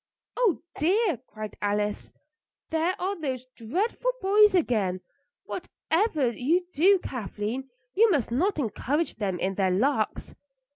"Oh, dear!" cried Alice, "there are those dreadful boys again. Whatever you do, Kathleen, you must not encourage them in their larks."